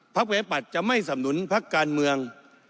พักไว้ปัดจะไม่สำนุนพักการเมือง